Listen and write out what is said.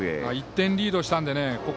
１点リードしたんで。